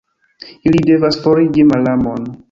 Ili devas forigi malamon.